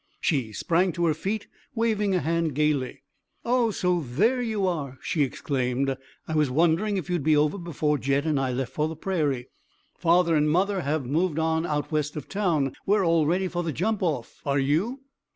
She sprang to her feet, waving a hand gayly. "Oh, so there you are!" she exclaimed. "I was wondering if you'd be over before Jed and I left for the prairie. Father and mother have moved on out west of town. We're all ready for the jump off. Are you?"